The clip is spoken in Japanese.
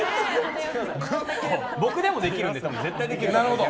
僕でもできるんだから絶対できます。